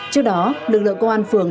trước đó lực lượng công an phường